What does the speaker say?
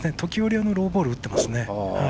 時折ローボール打ってます。